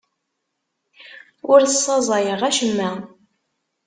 Ur ssaẓayeɣ acemma.